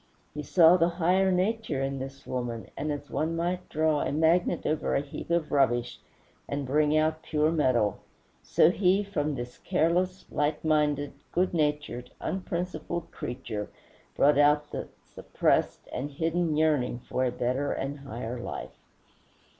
He saw the higher nature in this woman, and as one might draw a magnet over a heap of rubbish and bring out pure metal, so he from this careless, light minded, good natured, unprincipled creature brought out the suppressed and hidden yearning for a better and higher life.